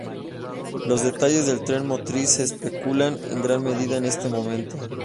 Los detalles del tren motriz se especulan en gran medida en este momento.